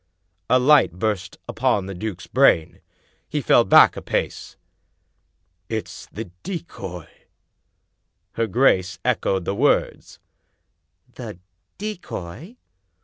" A light burst upon the duke's brain. He fell back a pace. " It's the decoy 1 " Her grace echoed the words : "The decoy?"